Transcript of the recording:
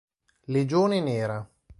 Legione Nera